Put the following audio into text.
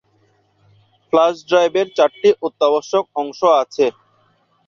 Flush ড্রাইভের চারটি অত্যাবশ্যক অংশ আছে।